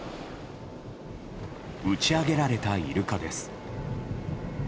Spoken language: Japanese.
打ち上げられたイルカです。